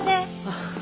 あっ。